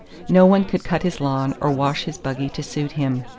No one could cut his lawn or wash his buggy to suit him.